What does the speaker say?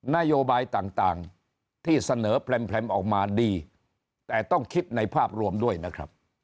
นโยบายต่างที่เสนอแพร่มออกมาดีแต่ต้องคิดในภาพรวมด้วยนะครับ